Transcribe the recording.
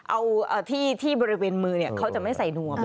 เอาที่บริเวณมือเขาจะไม่ใส่นวม